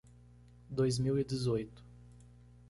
Dois mil e dezoito.